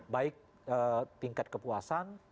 baik tingkat kepuasan